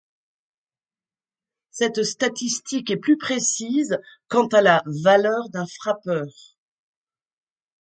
Cette statistique est plus précise quant à la valeur d'un frappeur.